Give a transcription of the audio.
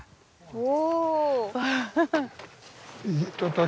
お。